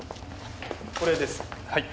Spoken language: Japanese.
これですはい。